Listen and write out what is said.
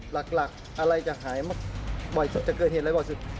หลักอะไรจะหายบ่อยจะเกิดเหตุอะไรบ่อยสุด